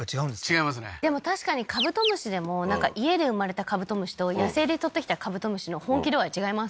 違いますねでも確かにカブトムシでも家で生まれたカブトムシと野生で採ってきたカブトムシの本気度合い違いますもんね